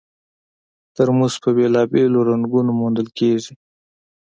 ترموز په بېلابېلو رنګونو موندل کېږي.